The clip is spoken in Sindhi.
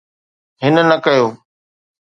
هن نه ڪيو